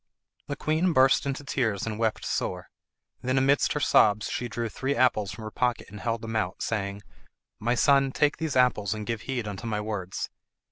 The queen burst into tears and wept sore; then amidst her sobs she drew three apples from her pocket and held them out, saying, "My son, take these apples and give heed unto my words.